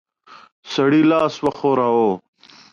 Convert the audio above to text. سړي لاس وښوراوه.